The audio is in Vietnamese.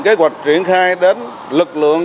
kế hoạch triển khai đến lực lượng